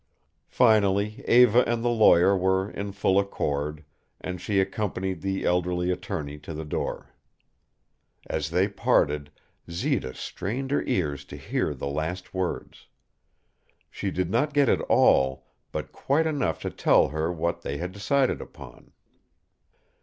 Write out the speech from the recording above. Finally Eva and the lawyer were in full accord, and she accompanied the elderly attorney to the door. As they parted, Zita strained her ears to hear the last words. She did not get it all, but quite enough to tell her what they had decided upon.